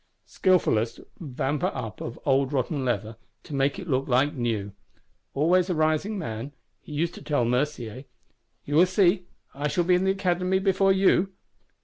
Skilfulest vamper up of old rotten leather, to make it look like new; always a rising man; he used to tell Mercier, 'You will see; I shall be in the Academy before you.